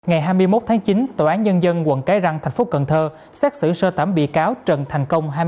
ngày hai mươi một tháng chín tòa án nhân dân quận cái răng thành phố cần thơ xét xử sơ thẩm bị cáo trần thành công